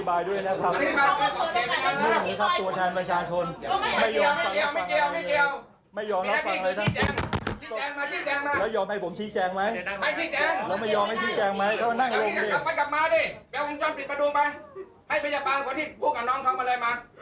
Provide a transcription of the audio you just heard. แน่จริงหรือเปล่าลูกผู้ชายหรือเปล่า